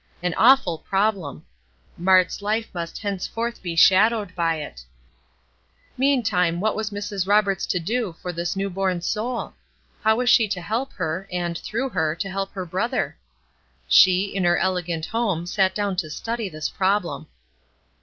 An awful problem! Mart's life must henceforth be shadowed by it. Meantime what was Mrs. Roberts to do for this new born soul? How was she to help her, and, through her, to help her brother? She, in her elegant home, sat down to study this problem.